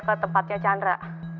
ke tempatnya chandra